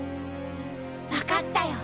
分かったよ